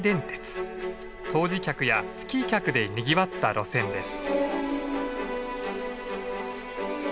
湯治客やスキー客でにぎわった路線です。